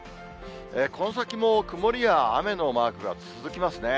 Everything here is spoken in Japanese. この先も曇りや雨のマークが続きますね。